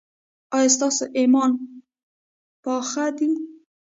ایا ستاسو ایمان پاخه دی؟